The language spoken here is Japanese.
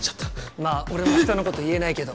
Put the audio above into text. まあ俺も人のこと言えないけど。